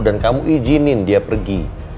dan kamu izinin dia pergi